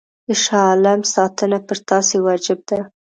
د شاه عالم ساتنه پر تاسي واجب ده.